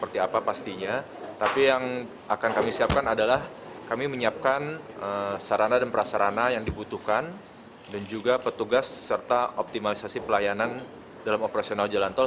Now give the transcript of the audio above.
tapi yang akan kami siapkan adalah kami menyiapkan sarana dan prasarana yang dibutuhkan dan juga petugas serta optimalisasi pelayanan dalam operasional jalan tol